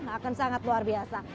akan sangat luar biasa